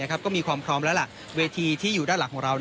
ก็มีความพร้อมแล้วล่ะเวทีที่อยู่ด้านหลังของเรา